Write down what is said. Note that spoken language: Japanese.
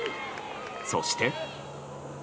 そして。